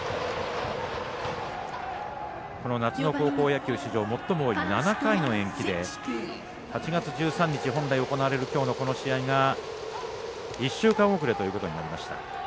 この夏の高校野球史上最も多い７回の延期で８月１３日に本来行われるきょうの試合が１週間遅れということになりました。